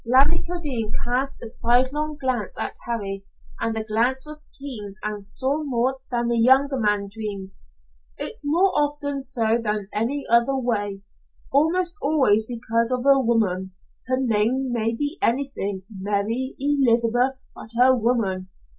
Larry Kildene cast a sidelong glance at Harry, and the glance was keen and saw more than the younger man dreamed. "It's more often so than any other way almost always because of a woman. Her name may be anything Mary Elizabeth, but, a woman.